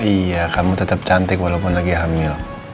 iya kamu tetap cantik walaupun lagi hamil